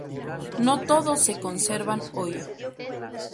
No todos se conservan hoy.